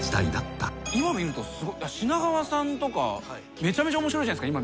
今見ると品川さんとかめちゃめちゃ面白いじゃないですか。